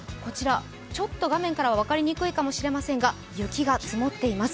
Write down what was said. ちょっと画面からは分かりにくいかもしれませんが、雪が積もっています。